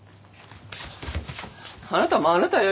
あなたもあなたよ。